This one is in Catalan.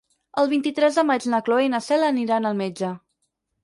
El vint-i-tres de maig na Cloè i na Cel aniran al metge.